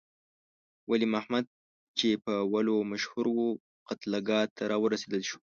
ولی محمد چې په ولو مشهور وو، قتلګاه ته راوستل شو.